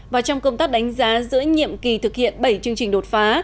và trong công tác đánh giá giữa nhiệm kỳ thực hiện bảy chương trình đột phá